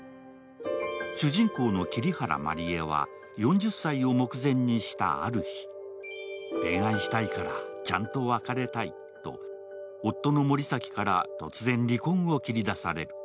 主人公の桐原まりえは４０歳を目前にしたある日恋愛したいからちゃんと別れたいと夫の森崎から突然離婚を切り出される。